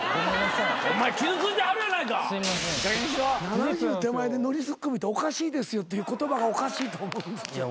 ７０手前でノリツッコミっておかしいですよっていう言葉がおかしいと思う。